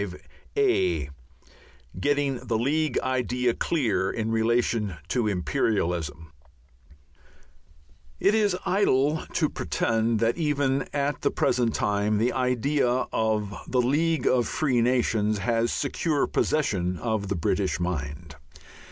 V GETTING THE LEAGUE IDEA CLEAR IN RELATION TO IMPERIALISM § 1 It is idle to pretend that even at the present time the idea of the League of Free Nations has secure possession of the British mind.